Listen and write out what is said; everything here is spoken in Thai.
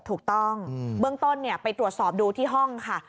ถูกต้องเบื้องต้นไปตรวจสอบดูที่ห้องค่ะ